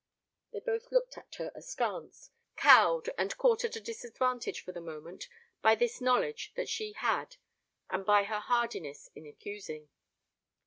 They both looked at her askance, cowed and caught at a disadvantage for the moment by this knowledge that she had and by her hardiness in accusing.